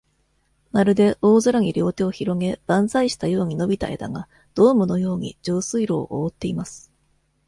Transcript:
まるで、大空に両手を広げ、バンザイしたように伸びた枝が、ドームのように、上水路をおおっています。